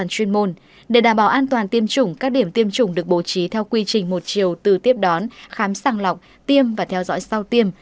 để đảm bảo an toàn tiêm chủng các điểm tiêm chủng được bố trí theo quy trình một chiều từ tiếp đón khám sàng lọc tiêm và theo dõi sau tiêm